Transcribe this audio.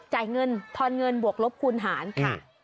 จ่ายเงินทอนเงินบวกลบคูณหารค่ะ